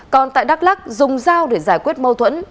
còn tại đắk lắc dùng dao để giải quyết mâu thuẫn